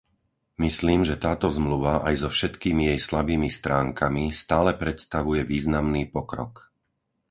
Myslím, že táto zmluva, aj so všetkými jej slabými stránkami, stále predstavuje významný pokrok.